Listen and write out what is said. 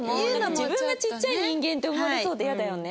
自分がちっちゃい人間って思われそうで嫌だよね。